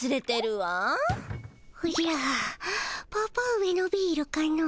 おじゃパパ上のビールかの。